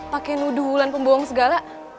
pakai nuduh bulan pembohong segala